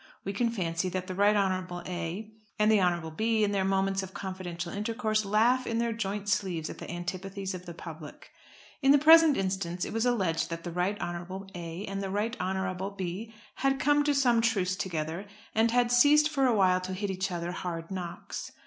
We can fancy that the Right Honourable A. and the Honourable B. in their moments of confidential intercourse laugh in their joint sleeves at the antipathies of the public. In the present instance it was alleged that the Right Honourable A. and the Honourable B. had come to some truce together, and had ceased for a while to hit each other hard knocks.